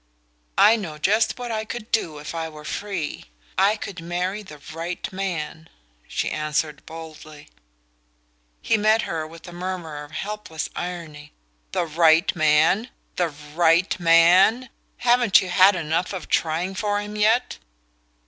"I know just what I could do if I were free. I could marry the right man," she answered boldly. He met her with a murmur of helpless irony. "The right man? The right man? Haven't you had enough of trying for him yet?"